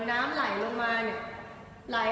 น้ำไหลลงมาเนี่ย